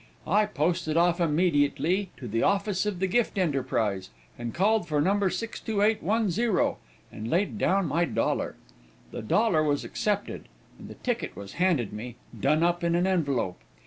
I posted off immediately to the office of the gift enterprise, and called for number 62810, and laid down my dollar. The dollar was accepted, and the ticket was handed me, done up in an envelope.